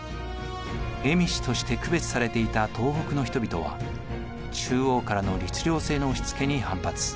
蝦夷として区別されていた東北の人々は中央からの律令制の押しつけに反発。